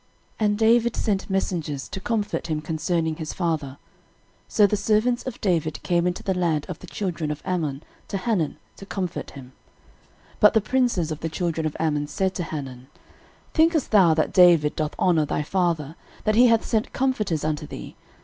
And David sent messengers to comfort him concerning his father. So the servants of David came into the land of the children of Ammon to Hanun, to comfort him. 13:019:003 But the princes of the children of Ammon said to Hanun, Thinkest thou that David doth honour thy father, that he hath sent comforters unto thee?